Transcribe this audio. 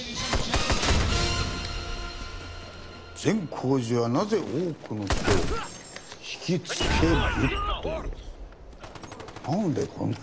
「善光寺はなぜ多くの人を引きつける？」ということです。